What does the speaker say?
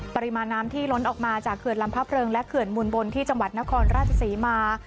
ปริมาณน้ำที่ล้นออกมาจากเขื่อนลำพระเริงและเขื่อนมูลบนที่จังหวัดนครราชศรีมา